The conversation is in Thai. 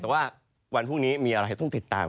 แต่ว่าวันพรุ่งนี้มีอะไรต้องติดตาม